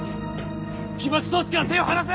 起爆装置から手を離せ！